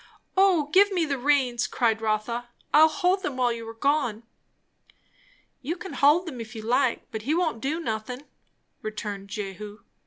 "O give me the reins!" cried Rotha. "I'll hold them while you are gone." "You can hold 'em if you like, but he won't do nothin'," returned Jehu.